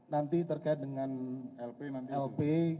nanti terkait dengan lp